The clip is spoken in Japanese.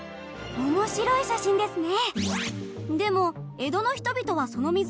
面白い写真ですね。